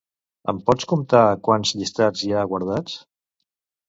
Em pots comptar quants llistats hi ha guardats?